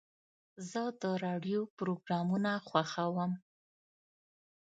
زه د راډیو پروګرامونه خوښوم.